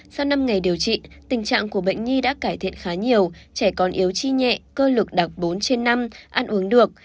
sau năm ngày điều trị tình trạng của bệnh nhi đã cải thiện khá nhiều trẻ còn yếu chi nhẹ cơ lực đặc bốn trên năm ăn uống được